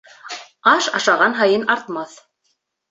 Аш ашаған һайын артмаҫ.